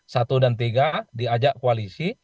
satu dan tiga diajak koalisi